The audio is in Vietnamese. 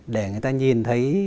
để người ta nhìn thấy